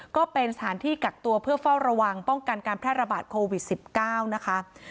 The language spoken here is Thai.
ก็เป็นสถานที่กักตัวเพื่อเฝ้าระวังป้องกันการแพร่ระบาดโควิด๑๙นะคะ